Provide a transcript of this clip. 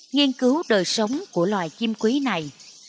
nghiên cứu đời sống của loài chim quý này